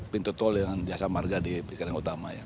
pintu tol dengan jasa marga di pekanang utama